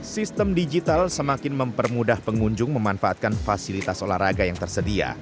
sistem digital semakin mempermudah pengunjung memanfaatkan fasilitas olahraga yang tersedia